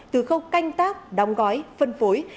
từ khâu canh tác đóng gói phân phối